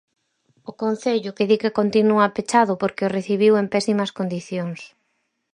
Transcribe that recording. O Concello, que di que continúa pechado porque o recibiu en pésimas condicións.